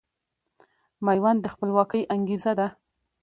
ميوند د خپلواکۍ انګېزه ده